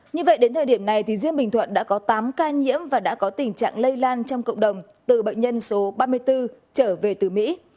như vậy đến thời điểm này riêng bình thuận đã có tám ca nhiễm và đã có tình trạng lây lan trong cộng đồng từ bệnh nhân số ba mươi bốn trở về từ mỹ